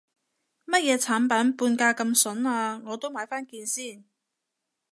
乜嘢產品半價咁筍啊，我都買返件先